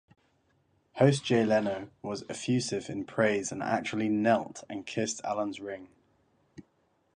Host Jay Leno was effusive in praise and actually knelt and kissed Allen's ring.